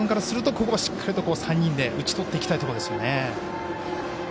ここはしっかりと３人で打ち取っていきたいところですね。